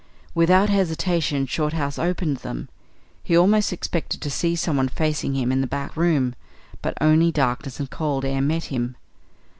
Without hesitation Shorthouse opened them. He almost expected to see someone facing him in the back room; but only darkness and cold air met him.